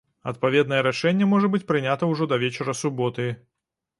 Адпаведнае рашэнне можа быць прынята ўжо да вечара суботы.